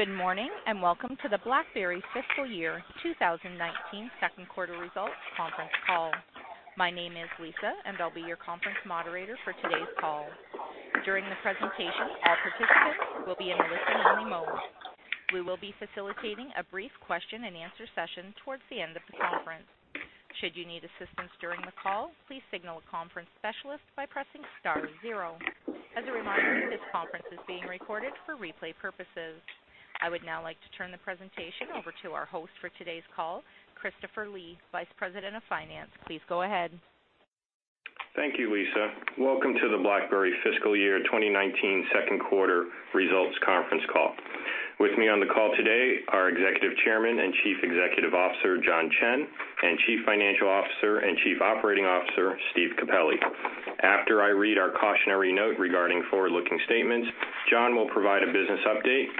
Good morning, and welcome to the BlackBerry Fiscal Year 2019 second quarter results conference call. My name is Lisa, and I'll be your conference moderator for today's call. During the presentation, all participants will be in listen-only mode. We will be facilitating a brief question and answer session towards the end of the conference. Should you need assistance during the call, please signal a conference specialist by pressing star zero. As a reminder, this conference is being recorded for replay purposes. I would now like to turn the presentation over to our host for today's call, Christopher Lee, Vice President of Finance. Please go ahead. Thank you, Lisa. Welcome to the BlackBerry Fiscal Year 2019 second quarter results conference call. With me on the call today are Executive Chairman and Chief Executive Officer, John Chen, and Chief Financial Officer and Chief Operating Officer, Steve Capelli. After I read our cautionary note regarding forward-looking statements, John will provide a business update.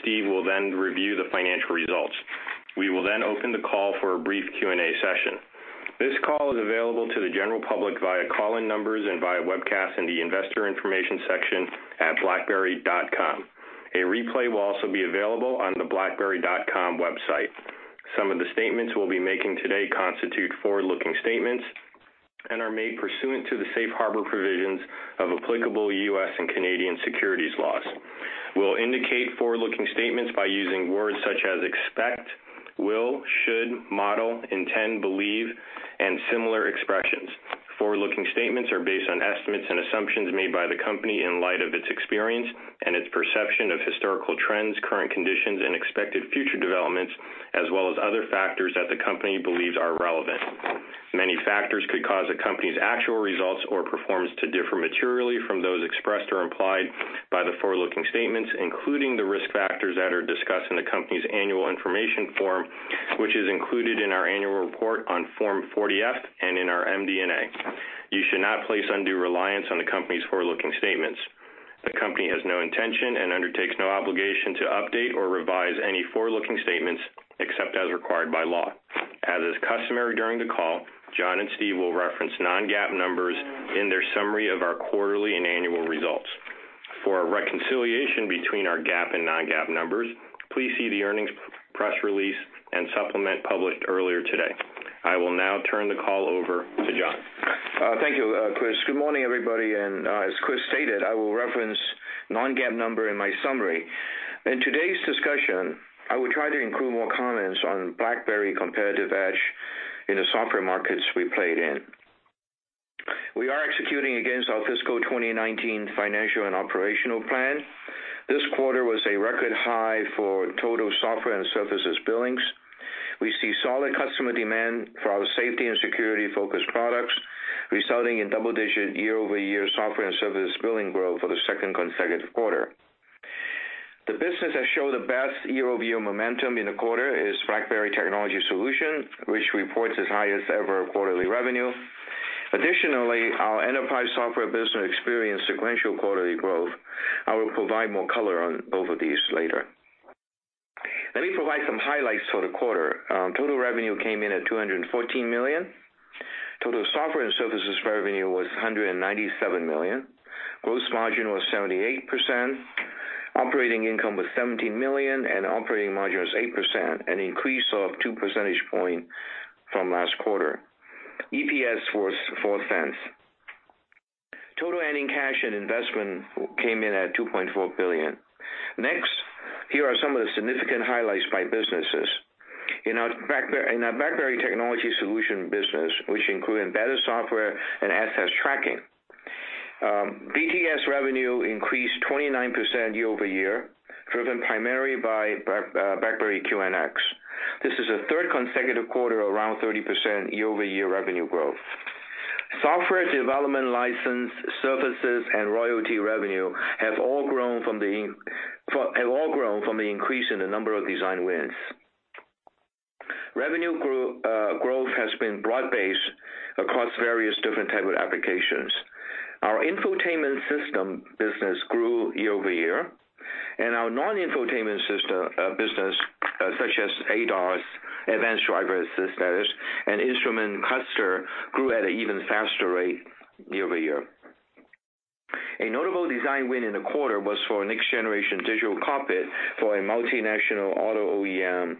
Steve will then review the financial results. We will then open the call for a brief Q&A session. This call is available to the general public via call-in numbers and via webcast in the investor information section at blackberry.com. A replay will also be available on the blackberry.com website. Some of the statements we'll be making today constitute forward-looking statements and are made pursuant to the safe harbor provisions of applicable U.S. and Canadian securities laws. We'll indicate forward-looking statements by using words such as expect, will, should, model, intend, believe, and similar expressions. Forward-looking statements are based on estimates and assumptions made by the company in light of its experience and its perception of historical trends, current conditions, and expected future developments, as well as other factors that the company believes are relevant. Many factors could cause the company's actual results or performance to differ materially from those expressed or implied by the forward-looking statements, including the risk factors that are discussed in the company's annual information form, which is included in our annual report on Form 40-F and in our MD&A. You should not place undue reliance on the company's forward-looking statements. The company has no intention and undertakes no obligation to update or revise any forward-looking statements, except as required by law. As is customary during the call, John and Steve will reference non-GAAP numbers in their summary of our quarterly and annual results. For a reconciliation between our GAAP and non-GAAP numbers, please see the earnings press release and supplement published earlier today. I will now turn the call over to John. Thank you, Chris. Good morning, everybody. As Chris stated, I will reference non-GAAP number in my summary. In today's discussion, I will try to include more comments on BlackBerry competitive edge in the software markets we played in. We are executing against our fiscal 2019 financial and operational plan. This quarter was a record high for total software and services billings. We see solid customer demand for our safety and security-focused products, resulting in double-digit year-over-year software and service billing growth for the second consecutive quarter. The business that showed the best year-over-year momentum in the quarter is BlackBerry Technology Solutions, which reports its highest-ever quarterly revenue. Additionally, our enterprise software business experienced sequential quarterly growth. I will provide more color on both of these later. Let me provide some highlights for the quarter. Total revenue came in at $214 million. Total software and services revenue was $197 million. Gross margin was 78%. Operating income was $17 million, and operating margin was 8%, an increase of two percentage point from last quarter. EPS was $0.04. Total ending cash and investment came in at $2.4 billion. Here are some of the significant highlights by businesses. In our BlackBerry Technology Solution business, which include embedded software and asset tracking. BTS revenue increased 29% year-over-year, driven primarily by BlackBerry QNX. This is the third consecutive quarter around 30% year-over-year revenue growth. Software development license, services, and royalty revenue have all grown from the increase in the number of design wins. Revenue growth has been broad-based across various different types of applications. Our infotainment system business grew year-over-year, and our non-infotainment system business, such as ADAS, Advanced Driver Assist, and instrument cluster grew at an even faster rate year-over-year. A notable design win in the quarter was for a next-generation digital cockpit for a multinational auto OEM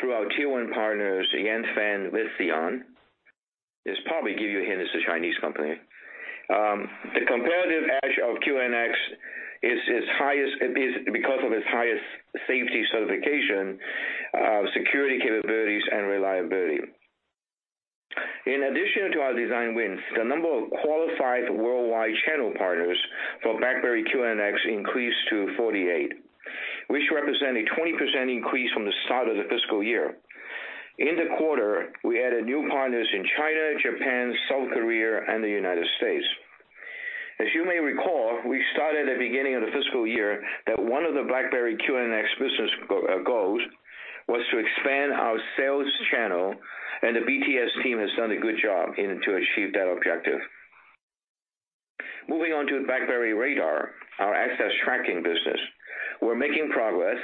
through our tier-1 partners, Yanfeng Visteon. This probably gives you a hint it's a Chinese company. The competitive edge of QNX is because of its highest safety certification, security capabilities, and reliability. In addition to our design wins, the number of qualified worldwide channel partners for BlackBerry QNX increased to 48, which represent a 20% increase from the start of the fiscal year. In the quarter, we added new partners in China, Japan, South Korea, and the U.S. As you may recall, we started at the beginning of the fiscal year that one of the BlackBerry QNX business goals was to expand our sales channel. The BTS team has done a good job to achieve that objective. Moving on to BlackBerry Radar, our asset tracking business. We're making progress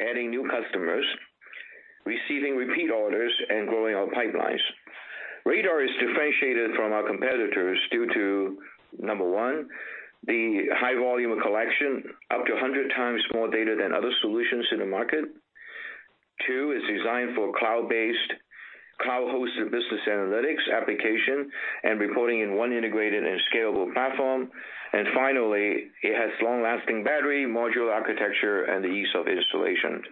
adding new customers, receiving repeat orders and growing our pipelines. Radar is differentiated from our competitors due to, number 1, the high volume of collection, up to 100 times more data than other solutions in the market. 2, it's designed for cloud-based, cloud-hosted business analytics application and reporting in one integrated and scalable platform. Finally, it has long-lasting battery, modular architecture, and the ease of installation.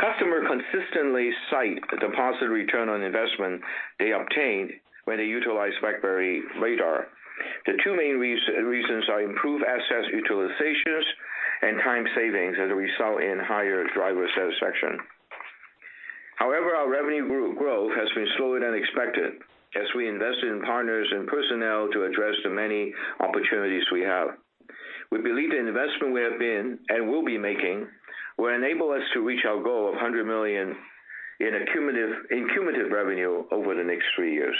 Customer consistently cite the positive return on investment they obtained when they utilized BlackBerry Radar. The two main reasons are improved asset utilizations and time savings, as a result in higher driver satisfaction. However, our revenue growth has been slower than expected as we invested in partners and personnel to address the many opportunities we have. We believe the investment we have been, and will be making, will enable us to reach our goal of $100 million in cumulative revenue over the next 3 years.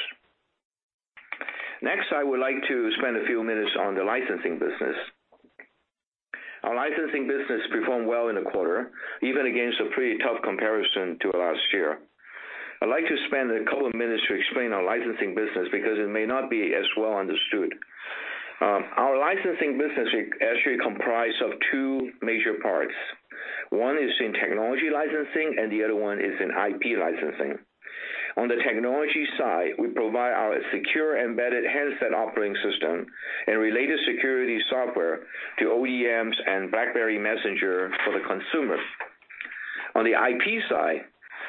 I would like to spend a few minutes on the licensing business. Our licensing business performed well in the quarter, even against a pretty tough comparison to last year. I'd like to spend 2 minutes to explain our licensing business because it may not be as well understood. Our licensing business is actually comprised of 2 major parts. One is in technology licensing, and the other one is in IP licensing. On the technology side, we provide our secure embedded handset operating system and related security software to OEMs and BlackBerry Messenger for the consumer. On the IP side,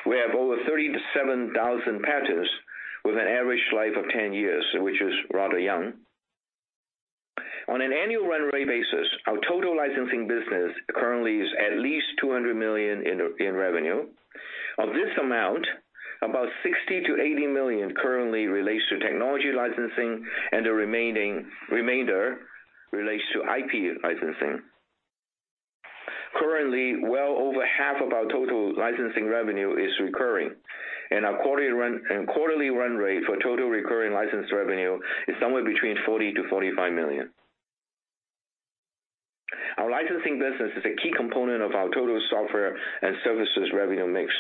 we have over 37,000 patents with an average life of 10 years, which is rather young. On an annual run rate basis, our total licensing business currently is at least $200 million in revenue. Of this amount, about $60 million-$80 million currently relates to technology licensing, and the remainder relates to IP licensing. Currently, well over half of our total licensing revenue is recurring, and our quarterly run rate for total recurring license revenue is somewhere between $40 million-$45 million. Our licensing business is a key component of our total software and services revenue mix,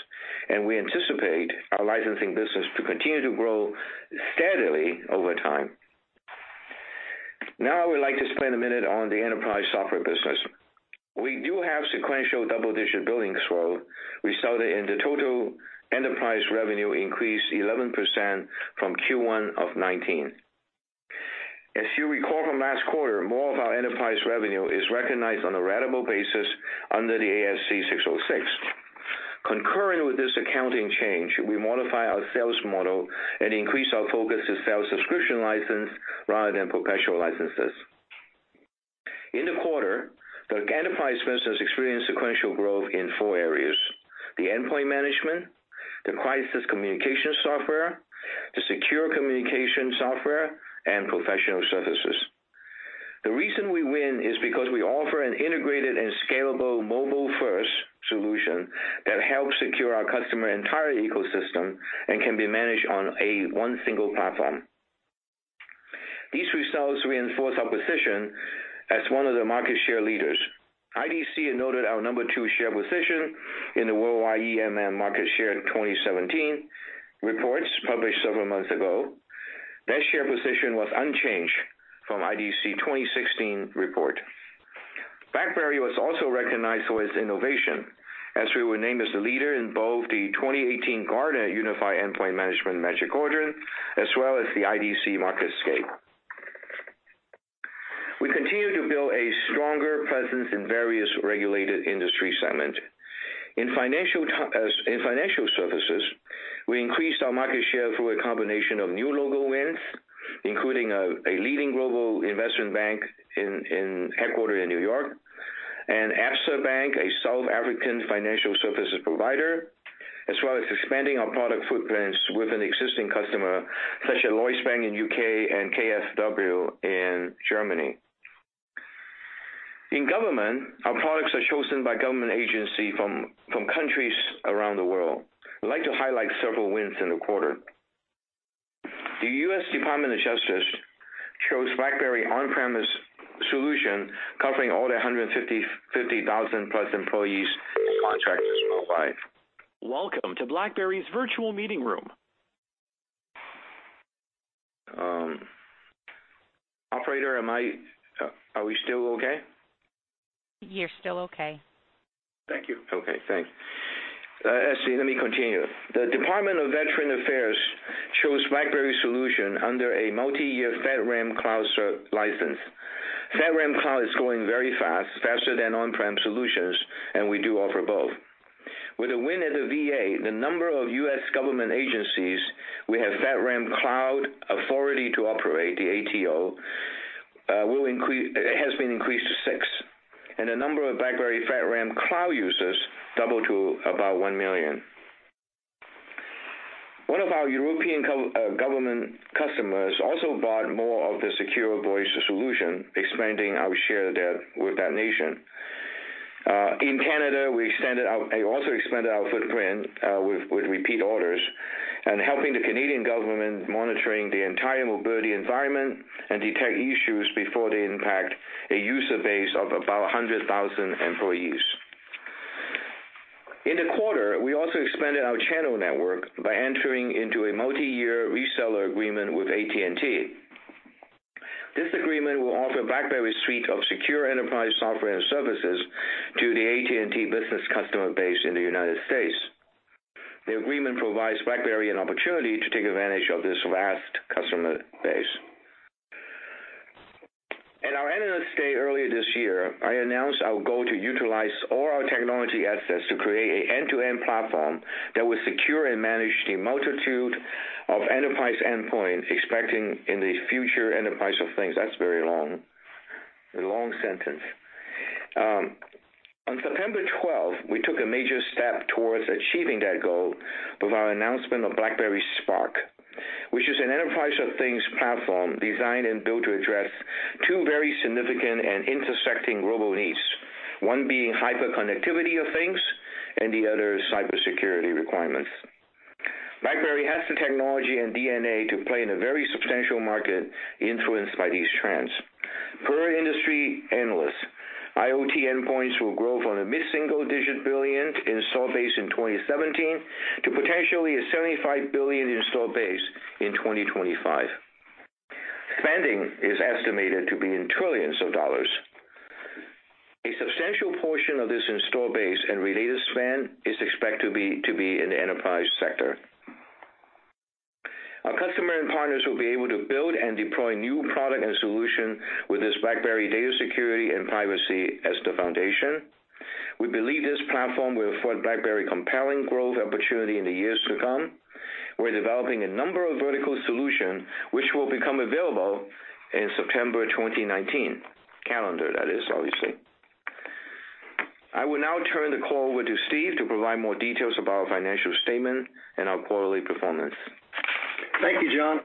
and we anticipate our licensing business to continue to grow steadily over time. I would like to spend 1 minute on the enterprise software business. We do have sequential double-digit billings growth. We saw that in the total enterprise revenue increase 11% from Q1 of 2019. As you recall from last quarter, more of our enterprise revenue is recognized on a ratable basis under the ASC 606. Concurrent with this accounting change, we modify our sales model and increase our focus to sell subscription license rather than perpetual licenses. In the quarter, the enterprise business experienced sequential growth in four areas, the endpoint management, the crisis communication software, the secure communication software, and professional services. The reason we win is because we offer an integrated and scalable mobile-first solution that helps secure our customer entire ecosystem and can be managed on a one single platform. These results reinforce our position as one of the market share leaders. IDC noted our number two share position in the worldwide EMM market share 2017 reports published several months ago. That share position was unchanged from IDC 2016 report. BlackBerry was also recognized for its innovation, as we were named as the leader in both the 2018 Gartner Unified Endpoint Management Magic Quadrant, as well as the IDC MarketScape. We continue to build a stronger presence in various regulated industry segments. In financial services, we increased our market share through a combination of new logo wins, including a leading global investment bank headquartered in New York, and Absa Bank, a South African financial services provider, as well as expanding our product footprints with an existing customer, such as Lloyds Bank in U.K. and KfW in Germany. In government, our products are chosen by government agency from countries around the world. I'd like to highlight several wins in the quarter. The U.S. Department of Justice chose BlackBerry on-premise solution covering all their 150,000+ employees and contractors worldwide. Welcome to BlackBerry's virtual meeting room. Operator, are we still okay? You're still okay. Thank you. Okay, thanks. Let me continue. The Department of Veterans Affairs chose BlackBerry solution under a multiyear FedRAMP cloud license. FedRAMP cloud is growing very fast, faster than on-prem solutions, and we do offer both. With a win at the VA, the number of U.S. government agencies we have FedRAMP cloud authority to operate, the ATO, has been increased to six, and the number of BlackBerry FedRAMP cloud users doubled to about 1 million. One of our European government customers also bought more of the secure voice solution, expanding our share there with that nation. In Canada, we also expanded our footprint with repeat orders And helping the Canadian government monitoring the entire mobility environment and detect issues before they impact a user base of about 100,000 employees. In the quarter, we also expanded our channel network by entering into a multiyear reseller agreement with AT&T. This agreement will offer BlackBerry's suite of secure enterprise software and services to the AT&T business customer base in the United States. The agreement provides BlackBerry an opportunity to take advantage of this vast customer base. At our Analyst Day earlier this year, I announced our goal to utilize all our technology assets to create an end-to-end platform that will secure and manage the multitude of enterprise endpoints expecting in the future Enterprise of Things. That's very long. A long sentence. On September 12, we took a major step towards achieving that goal with our announcement of BlackBerry Spark, which is an Enterprise of Things platform designed and built to address two very significant and intersecting global needs, one being hyperconnectivity of things and the other cybersecurity requirements. BlackBerry has the technology and DNA to play in a very substantial market influenced by these trends. Per industry analysts, IoT endpoints will grow from a mid-single-digit billion installed base in 2017 to potentially a 75 billion installed base in 2025. Spending is estimated to be in trillions of dollars. A substantial portion of this installed base and related spend is expected to be in the enterprise sector. Our customer and partners will be able to build and deploy new product and solution with this BlackBerry data security and privacy as the foundation. We believe this platform will afford BlackBerry compelling growth opportunity in the years to come. We're developing a number of vertical solution which will become available in September 2019. Calendar, that is, obviously. I will now turn the call over to Steve to provide more details about our financial statement and our quarterly performance. Thank you, John.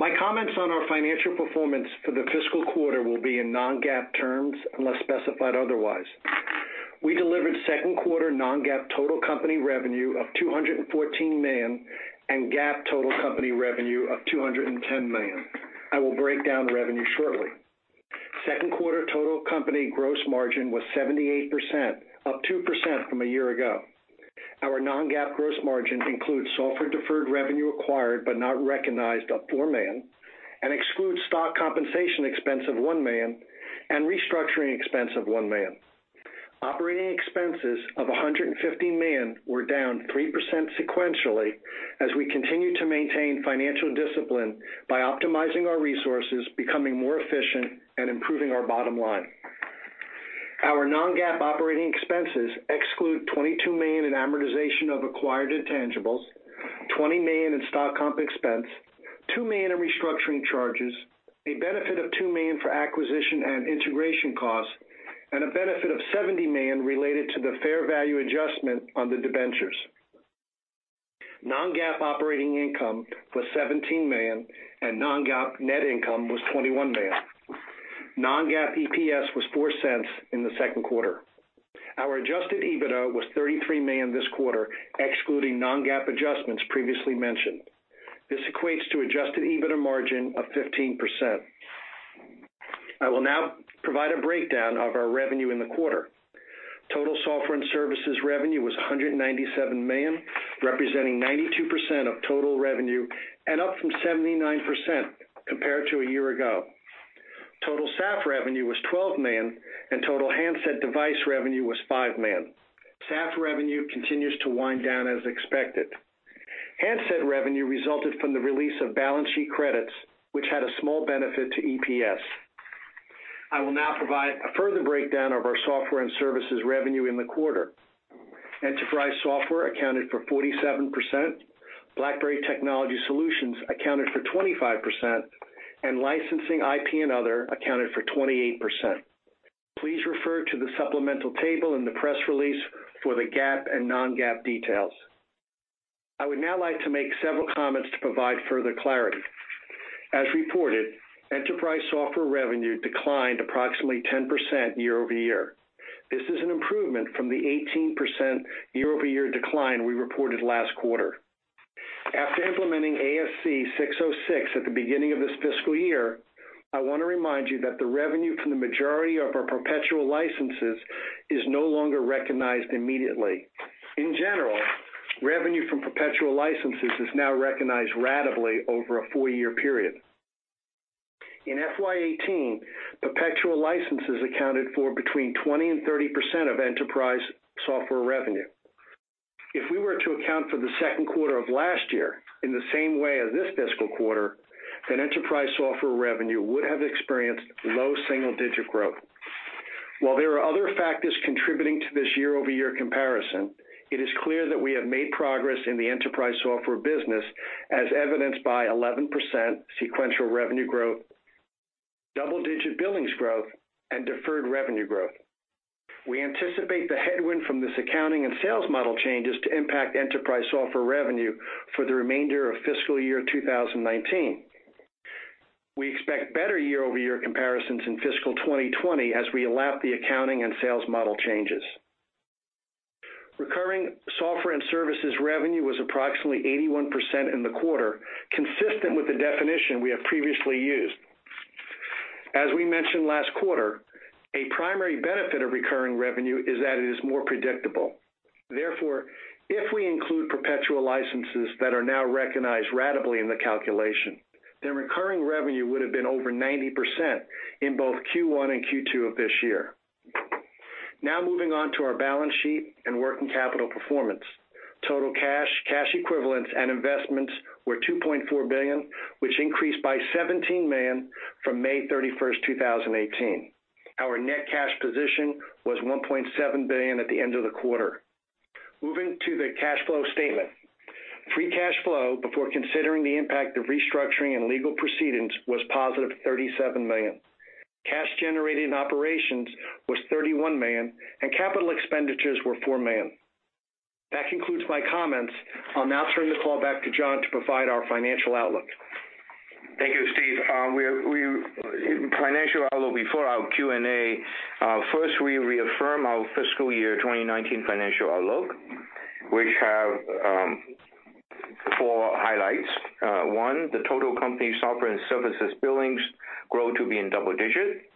My comments on our financial performance for the fiscal quarter will be in non-GAAP terms unless specified otherwise. We delivered second quarter non-GAAP total company revenue of $214 million and GAAP total company revenue of $210 million. I will break down the revenue shortly. Second quarter total company gross margin was 78%, up 2% from a year ago. Our non-GAAP gross margin includes software deferred revenue acquired but not recognized of $4 million and excludes stock compensation expense of $1 million and restructuring expense of $1 million. Operating expenses of $150 million were down 3% sequentially as we continue to maintain financial discipline by optimizing our resources, becoming more efficient, and improving our bottom line. Our non-GAAP operating expenses exclude $22 million in amortization of acquired intangibles, $20 million in stock comp expense, $2 million in restructuring charges, a benefit of $2 million for acquisition and integration costs, and a benefit of $70 million related to the fair value adjustment on the debentures. Non-GAAP operating income was $17 million and non-GAAP net income was $21 million. Non-GAAP EPS was $0.04 in the second quarter. Our adjusted EBITDA was $33 million this quarter, excluding non-GAAP adjustments previously mentioned. This equates to adjusted EBITDA margin of 15%. I will now provide a breakdown of our revenue in the quarter. Total software and services revenue was $197 million, representing 92% of total revenue and up from 79% compared to a year ago. Total SAF revenue was $12 million, and total handset device revenue was $5 million. SAF revenue continues to wind down as expected. Handset revenue resulted from the release of balance sheet credits, which had a small benefit to EPS. I will now provide a further breakdown of our software and services revenue in the quarter. Enterprise software accounted for 47%, BlackBerry Technology Solutions accounted for 25%, and licensing IP and other accounted for 28%. Please refer to the supplemental table in the press release for the GAAP and non-GAAP details. I would now like to make several comments to provide further clarity. As reported, enterprise software revenue declined approximately 10% year-over-year. This is an improvement from the 18% year-over-year decline we reported last quarter. After implementing ASC 606 at the beginning of this fiscal year, I want to remind you that the revenue from the majority of our perpetual licenses is no longer recognized immediately. In general, revenue from perpetual licenses is now recognized ratably over a 4-year period. In FY 2018, perpetual licenses accounted for between 20% and 30% of enterprise software revenue. If we were to account for the second quarter of last year in the same way as this fiscal quarter, then enterprise software revenue would have experienced low single-digit growth. While there are other factors contributing to this year-over-year comparison, it is clear that we have made progress in the enterprise software business as evidenced by 11% sequential revenue growth, double-digit billings growth, and deferred revenue growth. We anticipate the headwind from this accounting and sales model changes to impact enterprise software revenue for the remainder of fiscal year 2019. We expect better year-over-year comparisons in fiscal 2020 as we lap the accounting and sales model changes. Recurring software and services revenue was approximately 81% in the quarter, consistent with the definition we have previously used. As we mentioned last quarter, a primary benefit of recurring revenue is that it is more predictable. Therefore, if we include perpetual licenses that are now recognized ratably in the calculation, then recurring revenue would have been over 90% in both Q1 and Q2 of this year. Moving on to our balance sheet and working capital performance. Total cash equivalents, and investments were $2.4 billion, which increased by $17 million from May 31st, 2018. Our net cash position was $1.7 billion at the end of the quarter. Moving to the cash flow statement. Free cash flow before considering the impact of restructuring and legal proceedings was positive $37 million. Cash generated in operations was $31 million, and capital expenditures were $4 million. That concludes my comments. I'll now turn the call back to John to provide our financial outlook. Thank you, Steve. Financial outlook before our Q&A. First, we reaffirm our fiscal year 2019 financial outlook, which have four highlights. One, the total company software and services billings grow to be in double digits.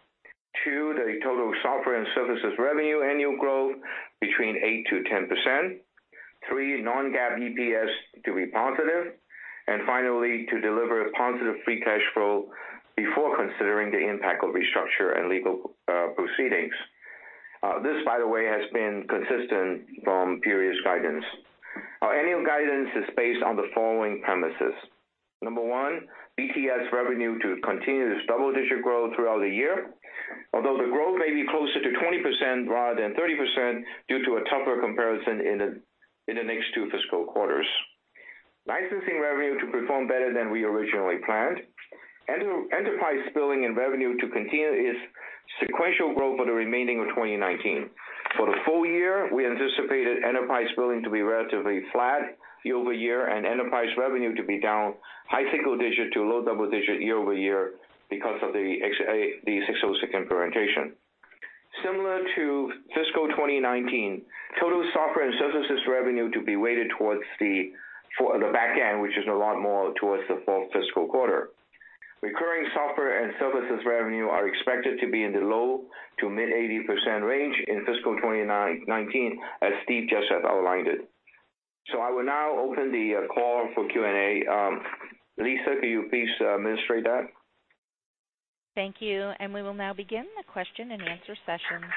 Two, the total software and services revenue annual growth between 8%-10%. Three, non-GAAP EPS to be positive, and finally, to deliver positive free cash flow before considering the impact of restructure and legal proceedings. This, by the way, has been consistent from previous guidance. Our annual guidance is based on the following premises. Number one, BTS revenue to continue its double-digit growth throughout the year, although the growth may be closer to 20% rather than 30% due to a tougher comparison in the next two fiscal quarters. Licensing revenue to perform better than we originally planned. Enterprise billing and revenue to continue its sequential growth for the remaining of 2019. For the full year, we anticipated enterprise billing to be relatively flat year-over-year and enterprise revenue to be down high single digit to low double digit year-over-year because of the 606 implementation. Similar to fiscal 2019, total software and services revenue to be weighted towards the back end, which is a lot more towards the fourth fiscal quarter. Recurring software and services revenue are expected to be in the low to mid 80% range in fiscal 2019, as Steve just outlined it. I will now open the call for Q&A. Lisa, can you please administrate that? Thank you, we will now begin the question-and-answer session.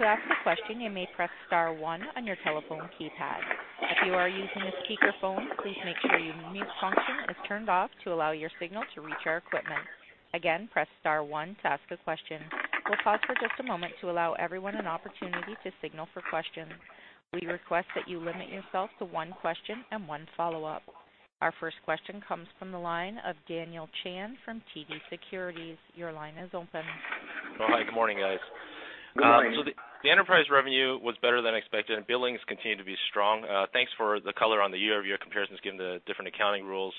To ask a question, you may press *1 on your telephone keypad. If you are using a speakerphone, please make sure your mute function is turned off to allow your signal to reach our equipment. Again, press *1 to ask a question. We'll pause for just a moment to allow everyone an opportunity to signal for questions. We request that you limit yourself to one question and one follow-up. Our first question comes from the line of Daniel Chan from TD Securities. Your line is open. Hi. Good morning, guys. Good morning. The enterprise revenue was better than expected, and billings continue to be strong. Thanks for the color on the year-over-year comparisons given the different accounting rules.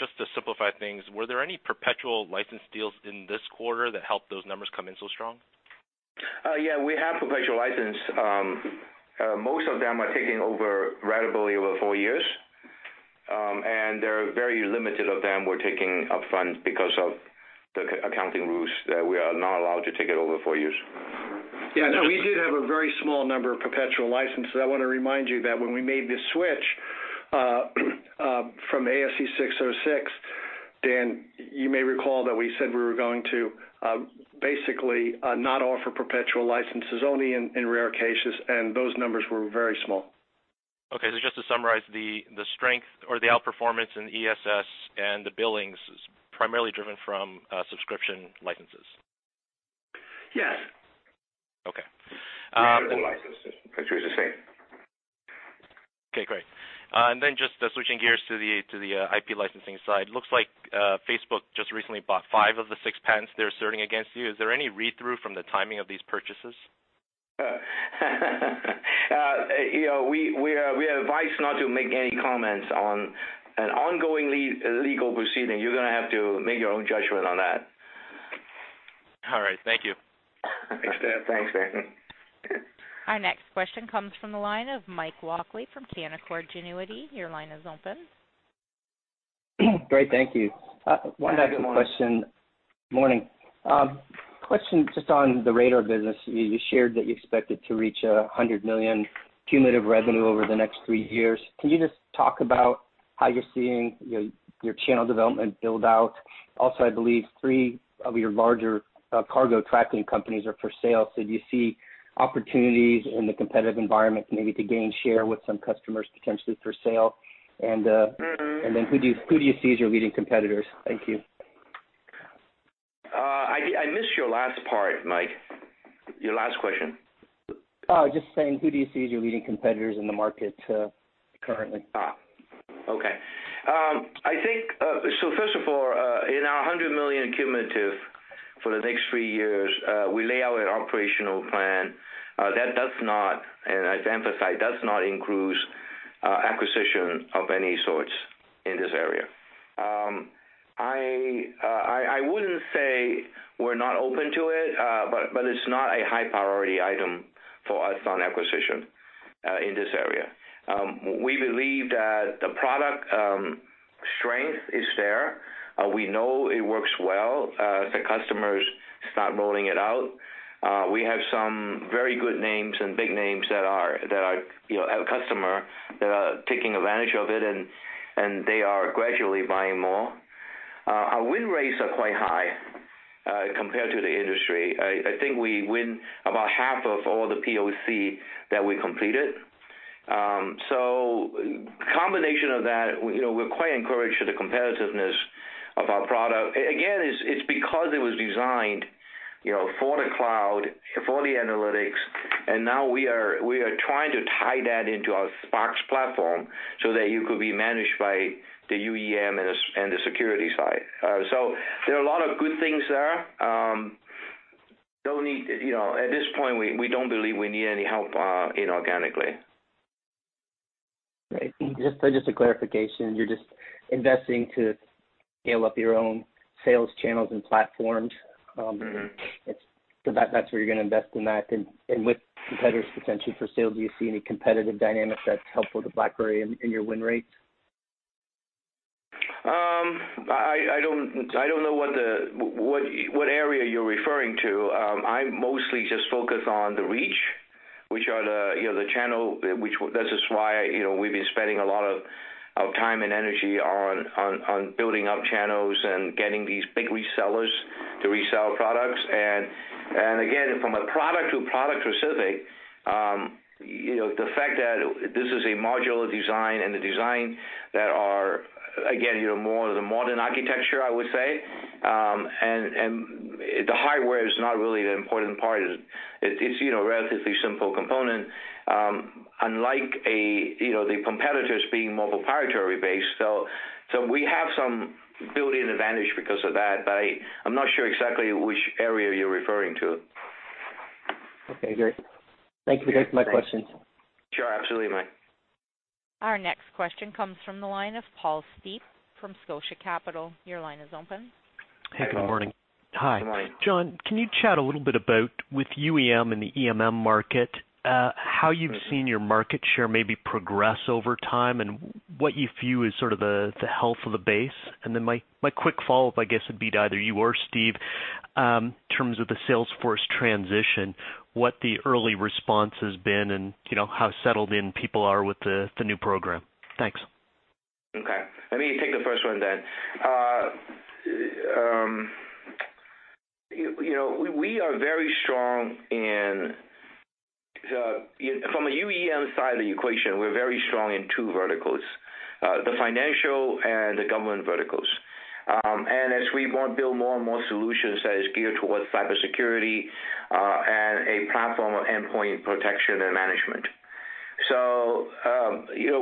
Just to simplify things, were there any perpetual license deals in this quarter that helped those numbers come in so strong? We have perpetual license. Most of them are taking over ratably over four years, and they're very limited of them we're taking upfront because of the accounting rules that we are not allowed to take it over four years. Yeah, no, we did have a very small number of perpetual licenses. I want to remind you that when we made the switch from ASC 606, Dan, you may recall that we said we were going to basically not offer perpetual licenses, only in rare cases, and those numbers were very small. Okay, just to summarize, the strength or the outperformance in ESS and the billings is primarily driven from subscription licenses. Yes. Okay. The actual license is pretty much the same. Okay, great. Just switching gears to the IP licensing side, looks like Facebook just recently bought five of the six patents they're asserting against you. Is there any read-through from the timing of these purchases? We advise not to make any comments on an ongoing legal proceeding. You're going to have to make your own judgment on that. All right. Thank you. Thanks, Dan. Thanks, Dan. Our next question comes from the line of Mike Walkley from Canaccord Genuity. Your line is open. Great, thank you. Hi, good morning. Morning. Question just on the Radar business. You shared that you expected to reach $100 million cumulative revenue over the next three years. Can you just talk about how you're seeing your channel development build-out? Also, I believe three of your larger cargo tracking companies are for sale. Do you see opportunities in the competitive environment maybe to gain share with some customers potentially for sale? Who do you see as your leading competitors? Thank you. I missed your last part, Mike. Your last question. Just saying who do you see as your leading competitors in the market currently? Okay. First of all, in our $100 million cumulative for the next three years, we lay out an operational plan that does not, and I emphasize, does not include acquisition of any sorts in this area. I wouldn't say we're not open to it, but it's not a high priority item for us on acquisition, in this area. We believe that the product strength is there. We know it works well. The customers start rolling it out. We have some very good names and big names that have customer that are taking advantage of it, and they are gradually buying more. Our win rates are quite high, compared to the industry. I think we win about half of all the POC that we completed. Combination of that, we're quite encouraged to the competitiveness of our product. Again, it's because it was designed for the cloud, for the analytics, and now we are trying to tie that into our Spark platform so that you could be managed by the UEM and the security side. There are a lot of good things there. At this point, we don't believe we need any help inorganically. Right. Just a clarification, you're just investing to scale up your own sales channels and platforms? That's where you're going to invest in that. With competitors potentially for sale, do you see any competitive dynamics that's helpful to BlackBerry in your win rates? I don't know what area you're referring to. I mostly just focus on the reach, this is why we've been spending a lot of our time and energy on building up channels and getting these big resellers to resell products. Again, from a product to product specific, the fact that this is a modular design and the design that are, again, more the modern architecture, I would say, and the hardware is not really the important part. It's a relatively simple component, unlike the competitors being more proprietary-based. We have some built-in advantage because of that, but I'm not sure exactly which area you're referring to. Okay, great. Thank you. Those are my questions. Sure. Absolutely, Mike. Our next question comes from the line of Paul Steep from Scotia Capital. Your line is open. Hey, good morning. Good morning. Hi. John, can you chat a little bit about, with UEM and the EMM market, how you've seen your market share maybe progress over time and what you view as sort of the health of the base? My quick follow-up, I guess, would be to either you or Steve, in terms of the sales force transition, what the early response has been and how settled in people are with the new program. Thanks. Okay. Let me take the first one then. From a UEM side of the equation, we're very strong in two verticals, the financial and the government verticals. As we build more and more solutions that is geared towards cybersecurity, and a platform of endpoint protection and management.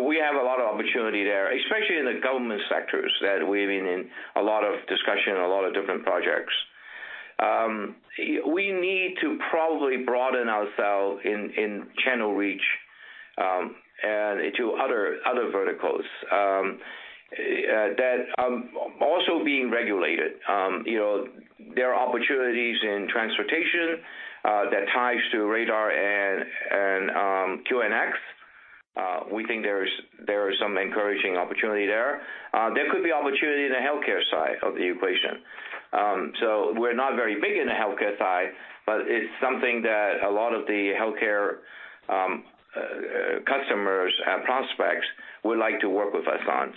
We have a lot of opportunity there, especially in the government sectors that we've been in a lot of discussion, a lot of different projects. We need to probably broaden ourselves in channel reach, and into other verticals that also being regulated. There are opportunities in transportation that ties to Radar and QNX. We think there is some encouraging opportunity there. There could be opportunity in the healthcare side of the equation. We're not very big in the healthcare side, but it's something that a lot of the healthcare customers and prospects would like to work with us on.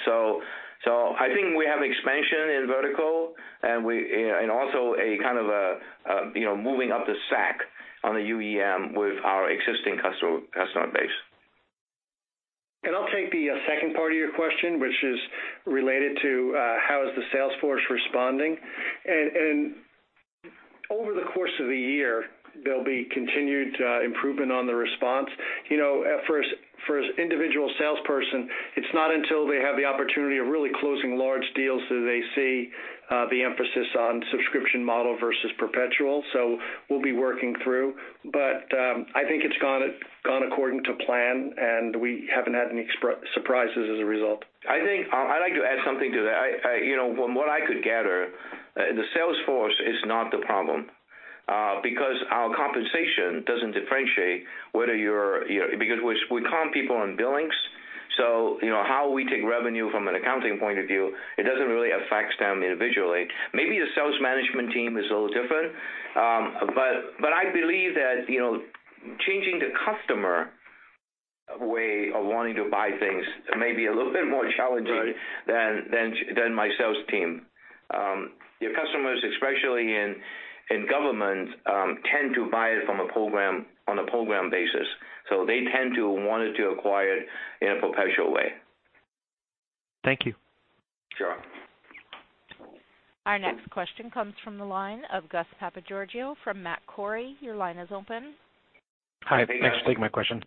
I think we have expansion in vertical and also a kind of moving up the stack on the UEM with our existing customer base. I'll take the second part of your question, which is related to how is the sales force responding. Over the course of the year, there'll be continued improvement on the response. For an individual salesperson, it's not until they have the opportunity of really closing large deals do they see the emphasis on subscription model versus perpetual. We'll be working through, but I think it's gone according to plan, and we haven't had any surprises as a result. I'd like to add something to that. From what I could gather, the sales force is not the problem, because our compensation doesn't differentiate, because we count people on billings. How we take revenue from an accounting point of view, it doesn't really affect them individually. Maybe a sales management team is a little different. I believe that changing the customer way of wanting to buy things may be a little bit more challenging than my sales team. Your customers, especially in government, tend to buy it on a program basis. They tend to want to acquire it in a perpetual way. Thank you. Sure. Our next question comes from the line of Gus Papageorgiou from Macquarie. Your line is open. Hi. Thanks for taking my question.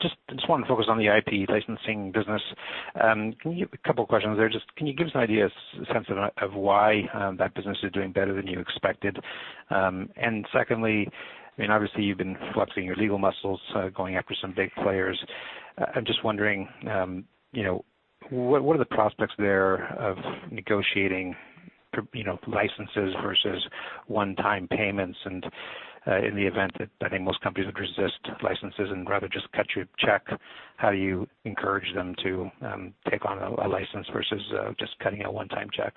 Just want to focus on the IP licensing business. A couple of questions there. Can you give us an idea, a sense of why that business is doing better than you expected? Secondly, obviously you've been flexing your legal muscles, going after some big players. I'm just wondering, what are the prospects there of negotiating licenses versus one-time payments in the event that, I think most companies would resist licenses and rather just cut you a check, how do you encourage them to take on a license versus just cutting a one-time check?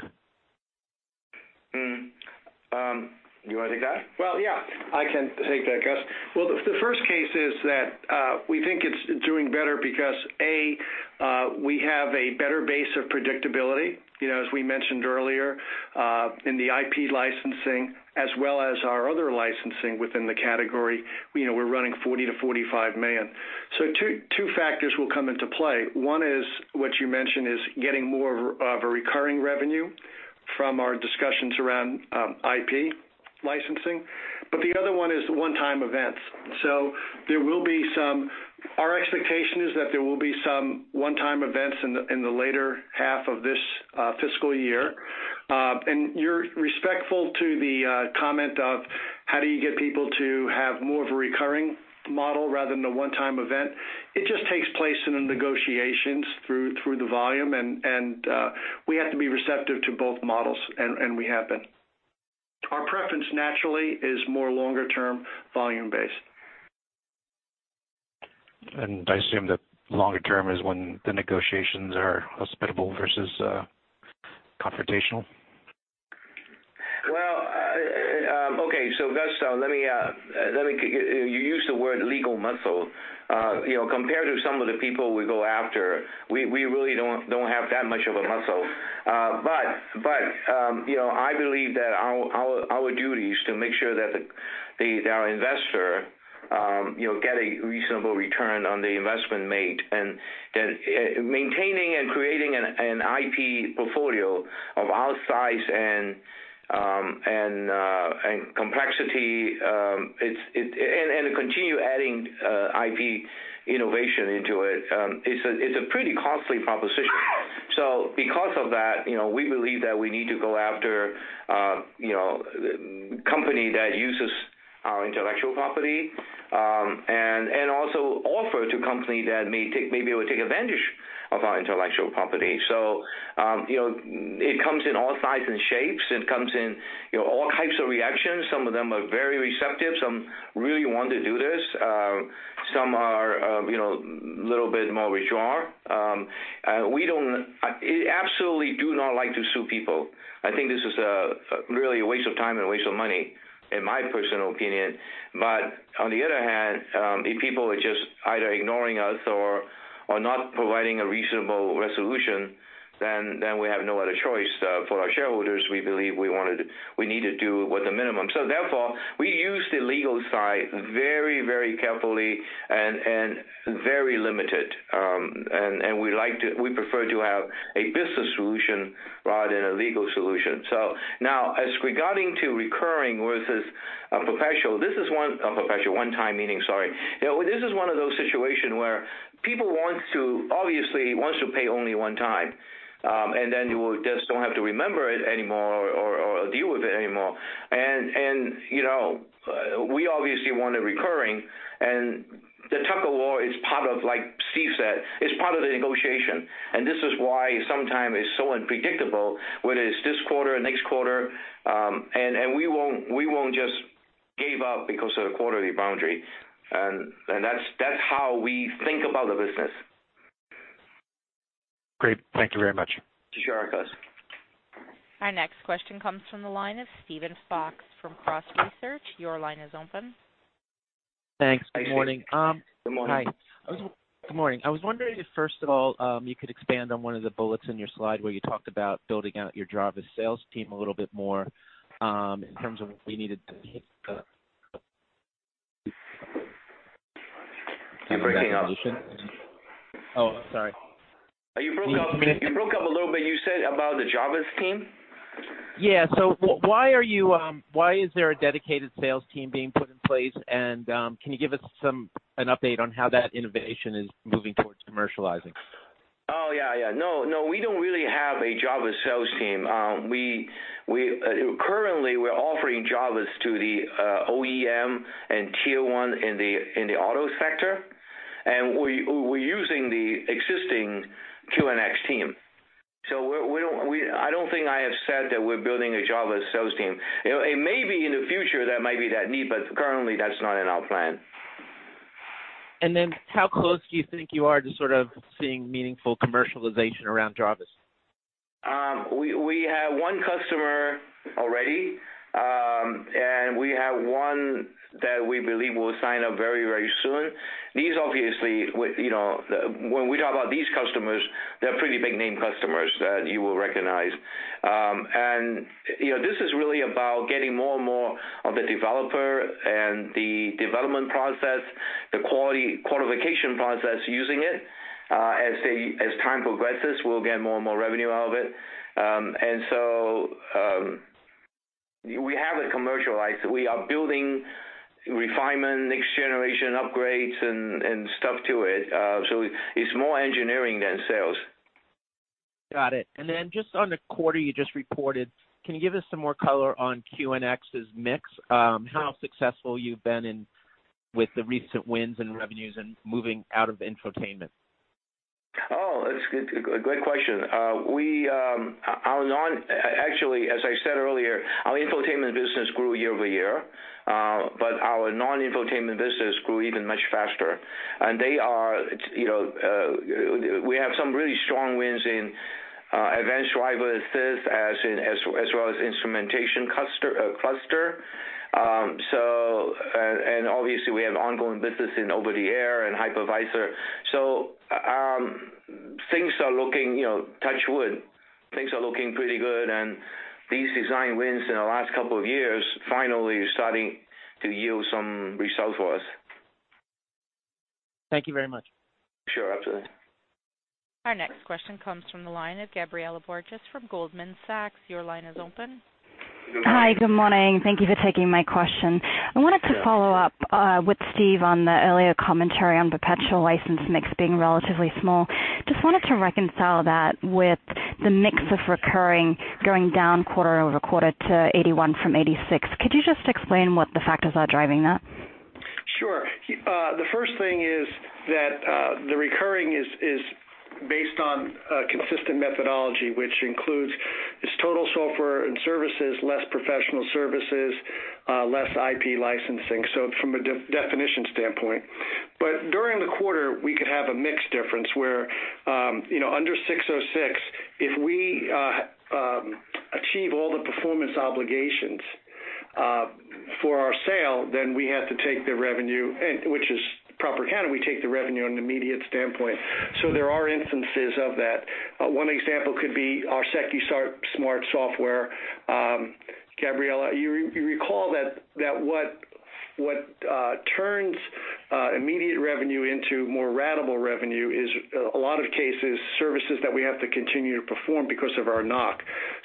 You want to take that? Well, yeah. I can take that, Gus. Well, the first case is that we think it's doing better because, A, we have a better base of predictability. As we mentioned earlier, in the IP licensing as well as our other licensing within the category, we're running $40 million-$45 million. Two factors will come into play. One is what you mentioned is getting more of a recurring revenue from our discussions around IP licensing. The other one is one-time events. Our expectation is that there will be some one-time events in the later half of this fiscal year. You're respectful to the comment of how do you get people to have more of a recurring model rather than a one-time event. It just takes place in the negotiations through the volume, and we have to be receptive to both models, and we have been. Our preference, naturally, is more longer term volume-based. I assume that longer term is when the negotiations are hospitable versus confrontational. Well, okay. Gus, you used the word "legal muscle." Compared to some of the people we go after, we really don't have that much of a muscle. I believe that our duty is to make sure that our investor get a reasonable return on the investment made, and maintaining and creating an IP portfolio of our size and complexity, and continue adding IP innovation into it's a pretty costly proposition. Because of that, we believe that we need to go after company that uses our intellectual property, and also offer to company that may be able to take advantage of our intellectual property. It comes in all sizes and shapes. It comes in all types of reactions. Some of them are very receptive. Some really want to do this. Some are a little bit more reserved. We absolutely do not like to sue people. I think this is really a waste of time and a waste of money, in my personal opinion. On the other hand, if people are just either ignoring us or are not providing a reasonable resolution, then we have no other choice. For our shareholders, we believe we need to do what the minimum. Therefore, we use the legal side very carefully and very limited. We prefer to have a business solution rather than a legal solution. Now, as regarding to recurring versus one-time meaning. This is one of those situation where people obviously wants to pay only one time, and then they just don't have to remember it anymore or deal with it anymore. We obviously want it recurring, and the tug of war is part of, like Steve said, is part of the negotiation. This is why sometimes it's so unpredictable, whether it's this quarter or next quarter. We won't just give up because of the quarterly boundary. That's how we think about the business. Great. Thank you very much. Sure, Gus. Our next question comes from the line of Steven Fox from Cross Research. Your line is open. Thanks. Good morning. Good morning. Hi. Good morning. I was wondering if, first of all, you could expand on one of the bullets in your slide where you talked about building out your Jarvis sales team a little bit more, in terms of if we needed to hit. You're breaking up. Oh, sorry. You broke up a little bit. You said about the Jarvis team? Yeah. Why is there a dedicated sales team being put in place, and can you give us an update on how that innovation is moving towards commercializing? Oh, yeah. No, we don't really have a Jarvis sales team. Currently, we're offering Jarvis to the OEM and tier one in the auto sector, and we're using the existing QNX team. I don't think I have said that we're building a Jarvis sales team. It may be in the future there might be that need, but currently that's not in our plan. How close do you think you are to sort of seeing meaningful commercialization around Jarvis? We have one customer already, and we have one that we believe will sign up very soon. When we talk about these customers, they're pretty big-name customers that you will recognize. This is really about getting more and more of the developer and the development process, the qualification process using it. As time progresses, we'll get more and more revenue out of it. We have it commercialized. We are building refinement, next generation upgrades and stuff to it. It's more engineering than sales. Got it. Then just on the quarter you just reported, can you give us some more color on QNX's mix? How successful you've been with the recent wins and revenues and moving out of infotainment? Oh, that's a great question. Actually, as I said earlier, our infotainment business grew year-over-year, our non-infotainment business grew even much faster. We have some really strong wins in Advanced Driver Assist as well as instrumentation cluster. Obviously, we have ongoing business in over the air and hypervisor. Touch wood, things are looking pretty good. These design wins in the last couple of years finally starting to yield some result for us. Thank you very much. Sure. Absolutely. Our next question comes from the line of Gabriela Borges from Goldman Sachs. Your line is open. Hi. Good morning. Thank you for taking my question. Yeah. I wanted to follow up with Steve on the earlier commentary on perpetual license mix being relatively small. Just wanted to reconcile that with the mix of recurring going down quarter-over-quarter to 81% from 86%. Could you just explain what the factors are driving that? Sure. The first thing is that the recurring is based on a consistent methodology, which includes this total software and services, less professional services, less IP licensing. From a definition standpoint. During the quarter, we could have a mix difference where under 606, if we achieve all the performance obligations for our sale, then we have to take the revenue, which is proper, we take the revenue on the immediate standpoint. There are instances of that. One example could be our Secusmart software. Gabriela, you recall that what turns immediate revenue into more ratable revenue is a lot of cases, services that we have to continue to perform because of our NOC.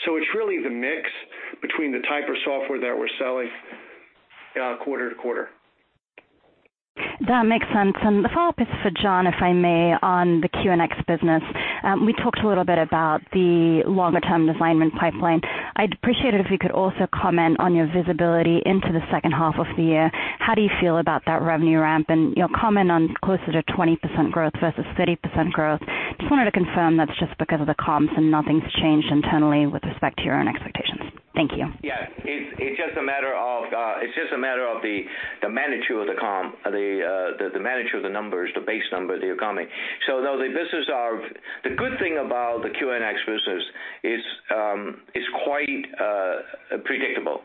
It's really the mix between the type of software that we're selling quarter-to-quarter. That makes sense. The follow-up is for John, if I may, on the QNX business. We talked a little bit about the longer-term design win pipeline. I'd appreciate it if you could also comment on your visibility into the second half of the year. How do you feel about that revenue ramp and your comment on closer to 20% growth versus 30% growth? Just wanted to confirm that's just because of the comps and nothing's changed internally with respect to your own expectations. Thank you. Yeah. It's just a matter of the magnitude of the comp, the magnitude of the numbers, the base number that you're coming. The good thing about the QNX business is it's quite predictable.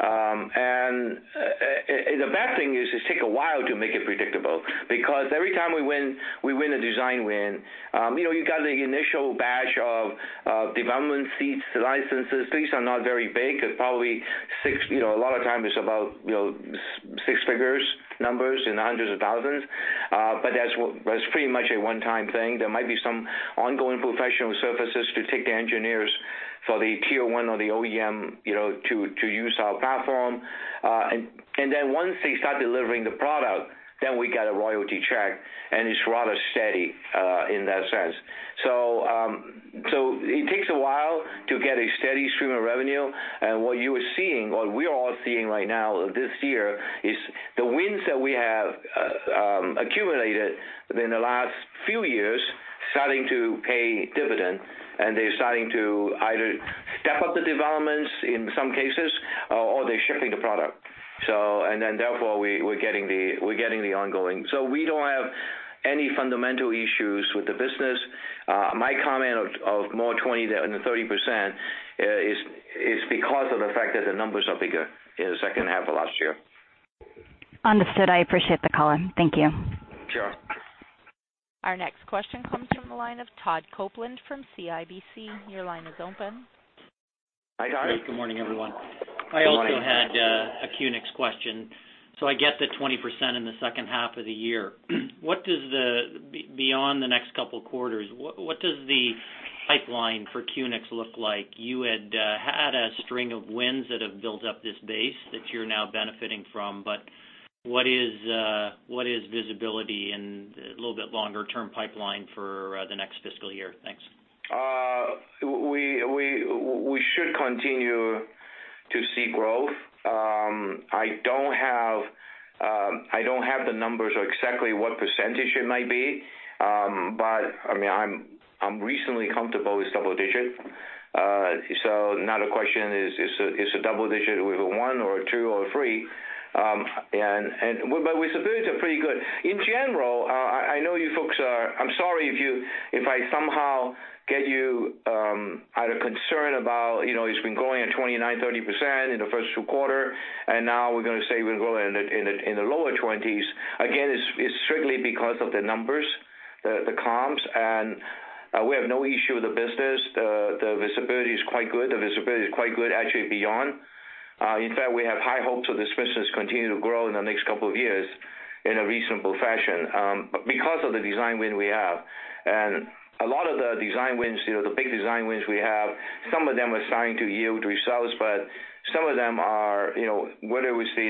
The bad thing is it take a while to make it predictable because every time we win a design win, you got the initial batch of development seats, licenses. These are not very big. A lot of time it's about, six figures numbers in hundreds of thousands. That's pretty much a one-time thing. There might be some ongoing professional services to take the engineers for the tier 1 or the OEM to use our platform. Then once they start delivering the product, then we get a royalty check, and it's rather steady in that sense. It takes a while to get a steady stream of revenue. What you are seeing, what we are all seeing right now this year is the wins that we have accumulated within the last few years starting to pay dividend, and they're starting to either step up the developments in some cases or they're shipping the product. Then therefore we're getting the ongoing. We don't have any fundamental issues with the business. My comment of more 20% than the 30% is because of the fact that the numbers are bigger in the second half of last year. Understood. I appreciate the color. Thank you. Sure. Our next question comes from the line of Todd Coupland from CIBC. Your line is open. Hi, Todd. Good morning, everyone. Good morning. I also had a QNX question. I get the 20% in the second half of the year. Beyond the next couple of quarters, what does the pipeline for QNX look like? You had a string of wins that have built up this base that you're now benefiting from, but what is visibility in a little bit longer-term pipeline for the next fiscal year? Thanks. We should continue to see growth. I don't have the numbers or exactly what percentage it might be. I'm reasonably comfortable it's double digit. Now the question is, it's a double digit with a one or a two or a three. Visibility are pretty good. In general, I'm sorry if I somehow get you out of concern about, it's been growing at 29%, 30% in the first two quarter, we're going to say we're growing in the lower 20s. Again, it's strictly because of the numbers, the comps, we have no issue with the business. The visibility is quite good. The visibility is quite good, actually, beyond. In fact, we have high hopes that this business continue to grow in the next couple of years In a reasonable fashion. Because of the design win we have, a lot of the design wins, the big design wins we have, some of them are starting to yield results, but some of them are, whether it's the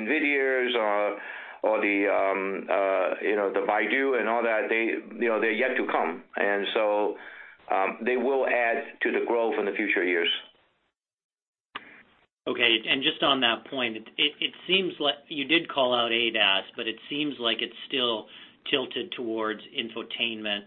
NVIDIAs or the Baidu and all that, they're yet to come. They will add to the growth in the future years. Okay. Just on that point, you did call out ADAS, it seems like it's still tilted towards infotainment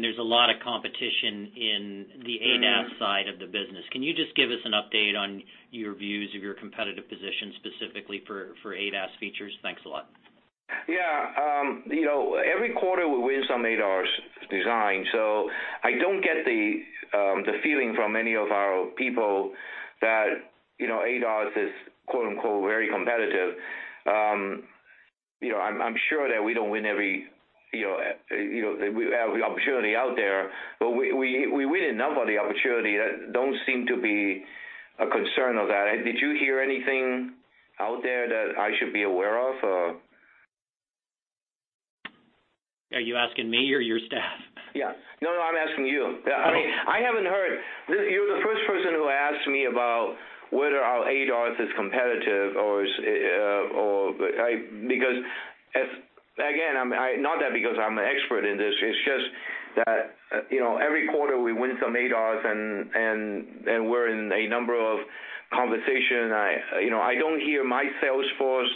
there's a lot of competition in the ADAS side of the business. Can you just give us an update on your views of your competitive position specifically for ADAS features? Thanks a lot. Yeah. Every quarter we win some ADAS design, so I don't get the feeling from any of our people that ADAS is quote unquote, "very competitive." I'm sure that we don't win every opportunity out there, but we win enough of the opportunity that don't seem to be a concern of that. Did you hear anything out there that I should be aware of or? Are you asking me or your staff? Yeah. No, I'm asking you. Oh. I mean, I haven't heard. You're the first person who asked me about whether our ADAS is competitive or. Because again, not that because I'm an expert in this, it's just that every quarter we win some ADAS and we're in a number of conversation. I don't hear my sales force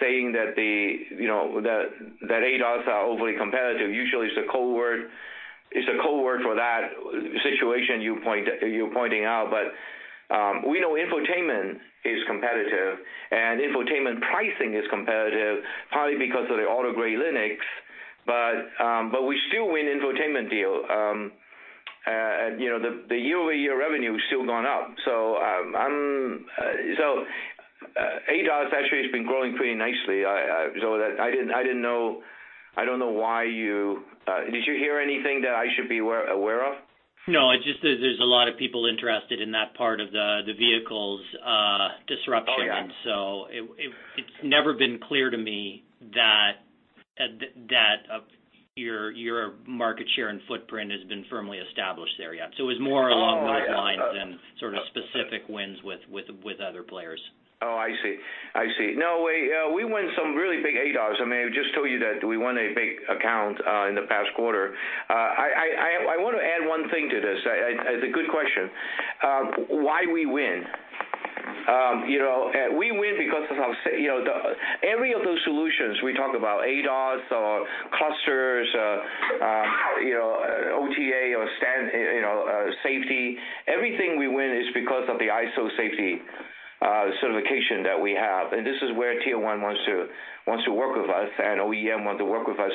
saying that ADAS are overly competitive. Usually it's a code word for that situation you're pointing out. We know infotainment is competitive and infotainment pricing is competitive, partly because of the Automotive Grade Linux. We still win infotainment deal. The year-over-year revenue has still gone up. ADAS actually has been growing pretty nicely. I don't know why. Did you hear anything that I should be aware of? No, it's just there's a lot of people interested in that part of the vehicle's disruption. Oh, yeah. It's never been clear to me that your market share and footprint has been firmly established there yet. It was more along those lines than sort of specific wins with other players. Oh, I see. No, we won some really big ADAS. I mean, I just told you that we won a big account in the past quarter. I want to add one thing to this. It's a good question. Why we win? We win because of our-- every of those solutions we talk about, ADAS or clusters, OTA or safety, everything we win is because of the ISO safety certification that we have. This is where Tier 1 wants to work with us and OEM want to work with us.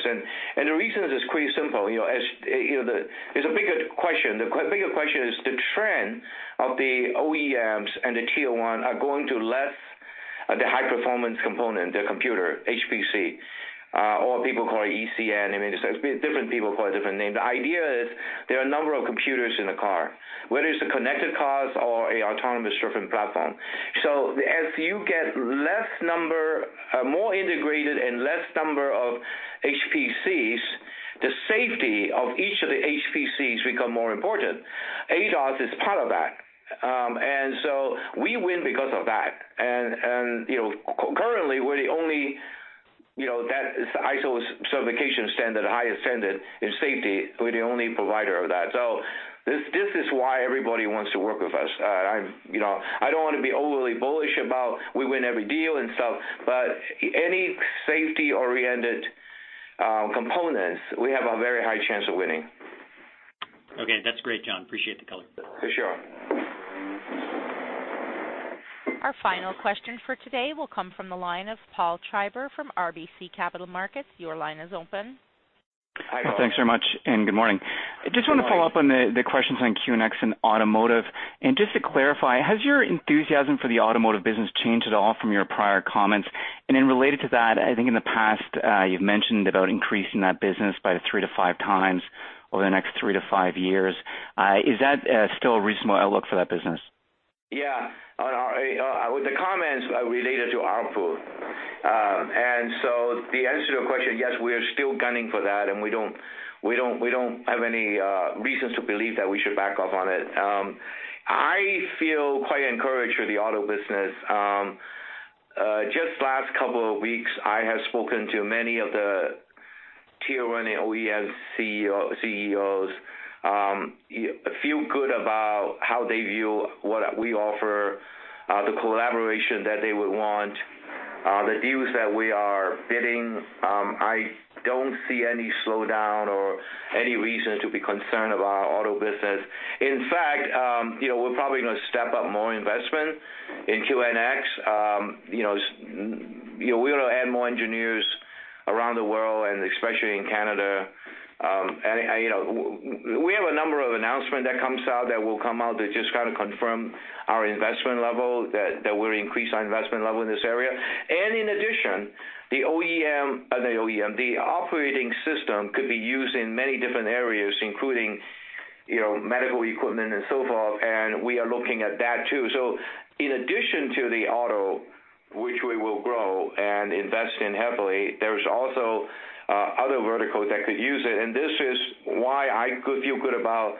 The reason is pretty simple. There's a bigger question. The bigger question is the trend of the OEMs and the Tier 1 are going to less the high-performance component, the computer, HPC or people call it ECU, I mean, different people call it different name. The idea is there are a number of computers in a car, whether it is a connected cars or a autonomous driven platform. As you get more integrated and less number of HPCs, the safety of each of the HPCs become more important. ADAS is part of that. We win because of that. Currently, we are the only ISO certification standard, highest standard in safety. We are the only provider of that. This is why everybody wants to work with us. I don't want to be overly bullish about we win every deal and stuff, but any safety-oriented components, we have a very high chance of winning. Okay. That is great, John. Appreciate the color. For sure. Our final question for today will come from the line of Paul Treiber from RBC Capital Markets. Your line is open. Hi, Paul. Thanks very much. Good morning. Good morning. I just want to follow up on the questions on QNX and automotive. Just to clarify, has your enthusiasm for the automotive business changed at all from your prior comments? Related to that, I think in the past, you've mentioned about increasing that business by three to five times over the next three to five years. Is that still a reasonable outlook for that business? Yeah. With the comments related to auto. The answer to your question, yes, we are still gunning for that, and we don't have any reasons to believe that we should back off on it. I feel quite encouraged for the auto business. Just last couple of weeks, I have spoken to many of the Tier 1 and OEM CEOs. Feel good about how they view what we offer, the collaboration that they would want, the deals that we are bidding. I don't see any slowdown or any reason to be concerned about our auto business. In fact, we're probably going to step up more investment in QNX. We want to add more engineers around the world and especially in Canada. We have a number of announcement that will come out that just kind of confirm our investment level, that we'll increase our investment level in this area. In addition, the OEM, not the OEM, the operating system could be used in many different areas, including Medical equipment and so forth, and we are looking at that too. In addition to the auto, which we will grow and invest in heavily, there's also other verticals that could use it, and this is why I feel good about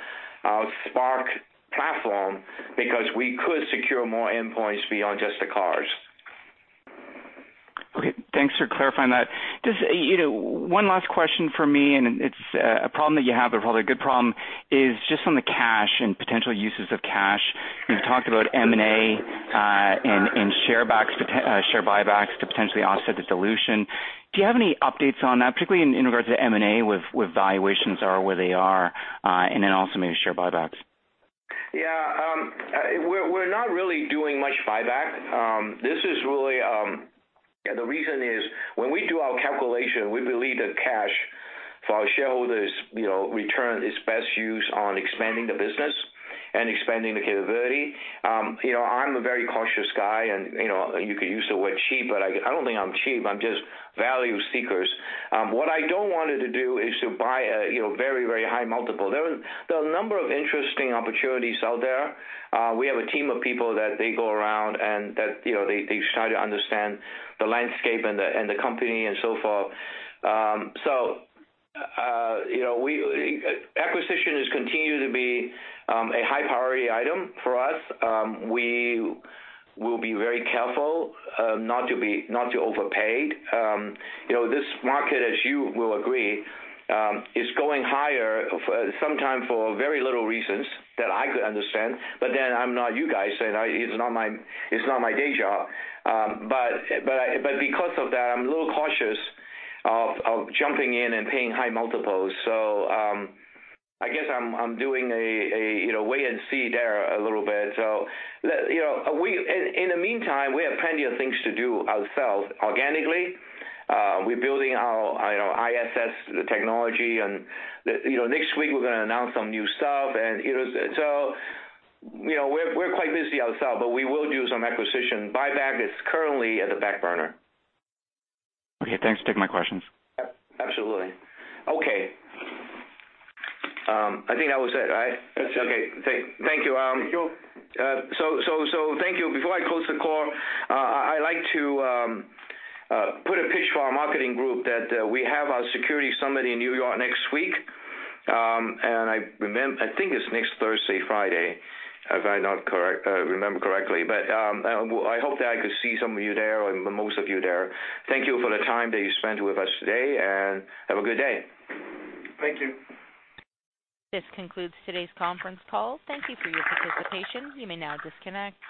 our BlackBerry Spark platform because we could secure more endpoints beyond just the cars. Okay, thanks for clarifying that. Just one last question from me, and it's a problem that you have, but probably a good problem, is just on the cash and potential uses of cash. You've talked about M&A and share buybacks to potentially offset the dilution. Do you have any updates on that, particularly in regards to M&A with valuations are where they are, and then also maybe share buybacks? Yeah. We're not really doing much buyback. The reason is when we do our calculation, we believe that cash for our shareholders return is best used on expanding the business and expanding the capability. I'm a very cautious guy, and you could use the word cheap, but I don't think I'm cheap. I'm just value seekers. What I don't want to do is to buy a very high multiple. There are a number of interesting opportunities out there. We have a team of people that they go around and that they try to understand the landscape and the company and so forth. Acquisition has continued to be a high priority item for us. We will be very careful not to overpay. This market, as you will agree, is going higher sometimes for very little reasons that I could understand. I'm not you guys, and it's not my day job. Because of that, I'm a little cautious of jumping in and paying high multiples. I guess I'm doing a wait and see there a little bit. In the meantime, we have plenty of things to do ourselves organically. We're building our ISS technology, and next week we're going to announce some new stuff. We're quite busy ourselves, but we will do some acquisition. Buyback is currently at the back burner. Okay, thanks for taking my questions. Absolutely. Okay. I think that was it, right? That's it. Okay. Thank you. Thank you. Thank you. Before I close the call, I like to put a pitch for our marketing group that we have our Security summit in New York next week. I think it's next Thursday, Friday, if I remember correctly. I hope that I could see some of you there or most of you there. Thank you for the time that you spent with us today, and have a good day. Thank you. This concludes today's conference call. Thank you for your participation. You may now disconnect.